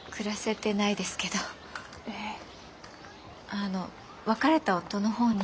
あの別れた夫の方に。